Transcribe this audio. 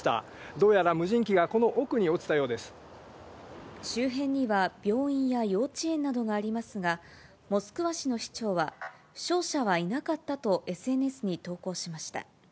どうやら無人機がこの奥に落ちた周辺には病院や幼稚園などがありますが、モスクワ市の市長は、負傷者はいなかったとＳＮＳに投稿しました。